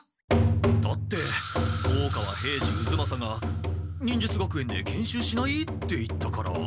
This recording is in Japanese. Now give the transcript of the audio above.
だって大川平次渦正が「忍術学園で研修しない？」って言ったから。